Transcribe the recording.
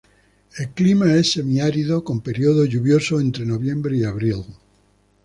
El clima es semi-árido, con período lluvioso entre noviembre y abril.